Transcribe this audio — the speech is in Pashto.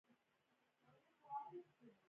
سبا د واورې امکان دی